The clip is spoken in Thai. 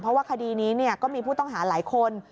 เพราะว่าคดีนี้ก็มีผู้ต้องหาหลายคน